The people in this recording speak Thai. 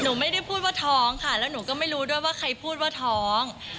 หนูไม่ได้พูดว่าท้องค่ะแล้วหนูก็ไม่รู้ด้วยว่าใครพูดว่าท้อง